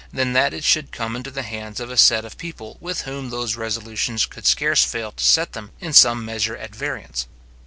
than that it should come into the hands of a set of people with whom those resolutions could scarce fail to set them in some measure at variance.